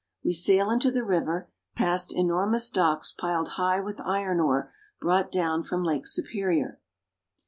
We sail into the river, past enor mous docks piled high with iron ore brought down from Lake Superior.